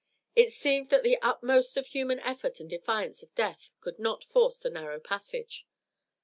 It seemed that the utmost of human effort and defiance of death could not force the narrow passage.